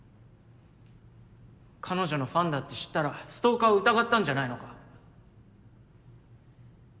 彼女のファンだって知ったらストーカーを疑ったんじゃないのか？